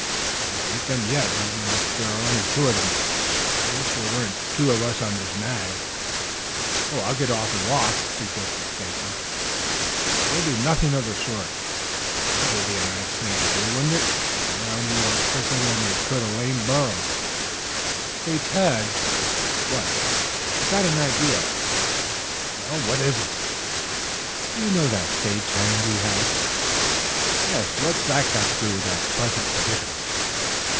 "I'll beat them yet, even if there are only two of them. I wish there weren't two of us on this nag." "I'll get off and walk," suggested. Stacy. "You'll do nothing of the sort. That would be a nice thing to do, wouldn't it? They'd round you up quicker'n they could a lame burro." "Say, Tad." "What?" "I've got an idea." "What is it?" "You know that sage hen we had?" "Yes, what's that got to do with our present predicament?"